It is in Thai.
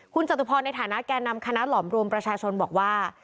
คุณจตุพรในฐานะแก่นำคณะหล่อมรวมประชาชนบอกว่า